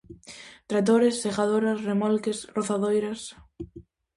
Tractores, segadoras, remolques, rozadoiras...